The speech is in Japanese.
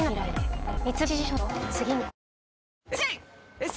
えっ。